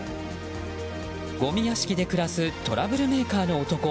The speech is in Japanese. ごみ屋敷で暮らすトラブルメーカーの男。